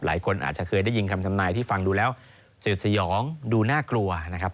หลายคนอาจจะเคยได้ยินคำทำนายที่ฟังดูแล้วเสียดสยองดูน่ากลัวนะครับ